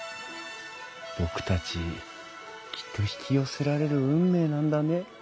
僕たちきっと引き寄せられる運命なんだね。